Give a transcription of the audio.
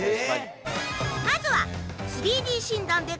まずは。